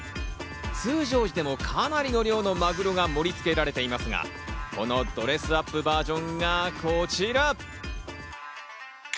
通常時でもかなりの量のマグロが盛りつけられていますが、このドレスアップバージョンがこちら。